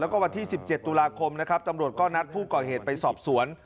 แล้วก็วันที่๑๗ตุลาคมนะครับตำรวจก็นัดผู้ก่อเหตุไปสอบสวน